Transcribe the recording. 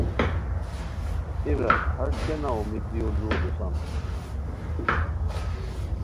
اے برار ہݰ کیہ نا امیدیو ُ لوؤ دوسان